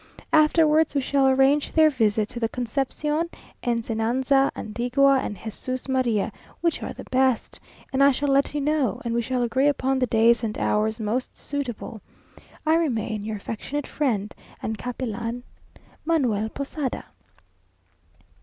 Afterwards we shall arrange their visit to the Concepción, Ensenanza Antigua, and Jesús María, which are the best, and I shall let you know, and we shall agree upon the days and hours most suitable. I remain your affectionate friend and Capellan, MANUEL POSADA.